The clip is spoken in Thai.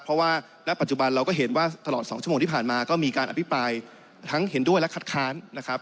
เพราะว่าณปัจจุบันเราก็เห็นว่าตลอด๒ชั่วโมงที่ผ่านมาก็มีการอภิปรายทั้งเห็นด้วยและคัดค้านนะครับ